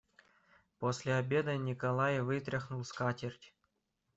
После обеда Николай вытряхнул скатерть.